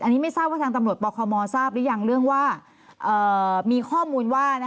อันนี้ไม่ทราบว่าทางตำรวจปคมทราบหรือยังเรื่องว่ามีข้อมูลว่า